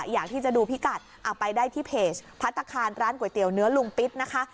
อยากที่จะดูพิกัดเอาไปได้ที่เพจพัฒนาคารร้านก๋วยเตี๋ยเนื้อลุงปิ๊ดนะคะ